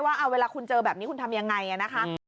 ว่าเวลาคุณเจอแบบนี้คุณทำยังไงนะคะ